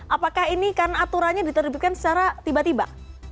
apakah ini karena aturannya diterbitkan secara tiba tiba